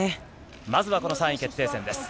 まずはこの３位決定戦です。